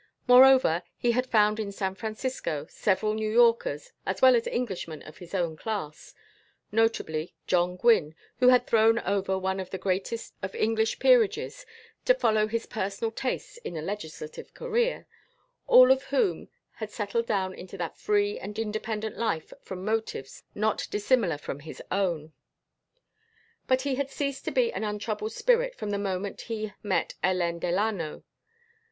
Moreover, he had found in San Francisco several New Yorkers as well as Englishmen of his own class notably John Gwynne, who had thrown over one of the greatest of English peerages to follow his personal tastes in a legislative career all of whom had settled down into that free and independent life from motives not dissimilar from his own. But he had ceased to be an untroubled spirit from the moment he met Hélène Delano.